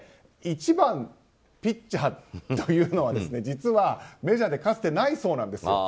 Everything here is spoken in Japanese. １番ピッチャーというのは実はメジャーでかつてないそうなんです。